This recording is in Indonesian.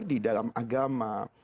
di dalam agama